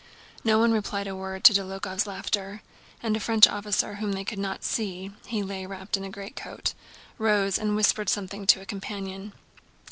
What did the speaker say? No one replied a word to Dólokhov's laughter, and a French officer whom they could not see (he lay wrapped in a greatcoat) rose and whispered something to a companion.